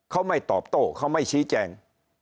เขาไม่ตอบโต้เขาไม่ชี้แจง